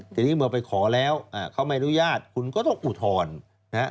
ทีนี้เมื่อไปขอแล้วเขาไม่อนุญาตคุณก็ต้องอุทธรณ์นะฮะ